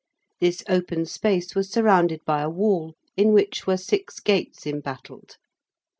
This open space was surrounded by a wall, in which were six gates embattled.